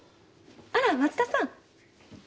あら松田さん。